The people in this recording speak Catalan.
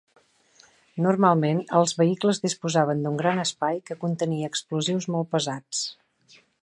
Normalment, els vehicles disposaven d'un gran espai que contenia explosius molt pesats.